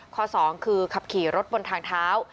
ข้อ๒คือขับขี่รถบนทางเท้า